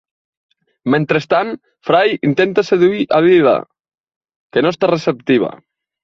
Mentrestant, Fry intenta seduir a Leela, que no està receptiva.